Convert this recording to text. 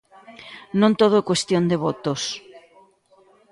Non todo é cuestión de votos.